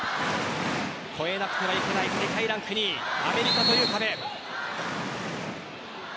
越えなくてはいけない世界ランク２位アメリカという壁。